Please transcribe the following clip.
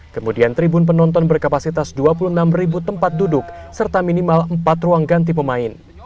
kemudian tribun penonton berkapasitas dua puluh enam tempat duduk serta minimal empat ruang ganti pemain